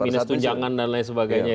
minus tujangan dan lain sebagainya itu